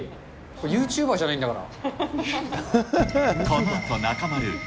ユーチューバーじゃないんだから。